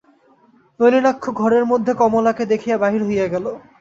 নলিনাক্ষ ঘরের মধ্যে কমলাকে দেখিয়া বাহির হইয়া গেল।